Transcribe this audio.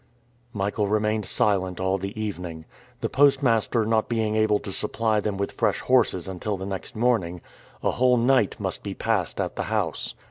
Michael remained silent all the evening. The postmaster not being able to supply them with fresh horses until the next morning, a whole night must be passed at the house.